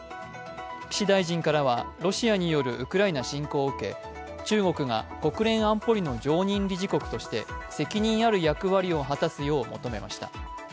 岸大臣からは、ロシアによるウクライナ侵攻を受け、中国が国連安保理の常任理事国として責任ある役割を果たすよう求めました。